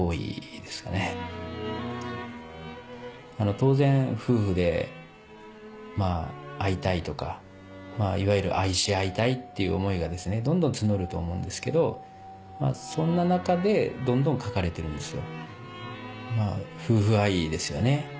当然夫婦で「会いたい」とかいわゆる愛し合いたいっていう思いがですねどんどん募ると思うんですけどそんな中でどんどん書かれてるんですよ。